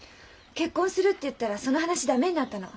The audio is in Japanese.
結婚するって言ったらその話駄目になったの。